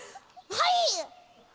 はい。